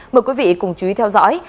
mời quý vị cùng chú ý theo dõi